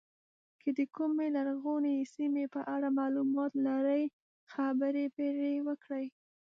که د کومې لرغونې سیمې په اړه معلومات لرئ خبرې پرې وکړئ.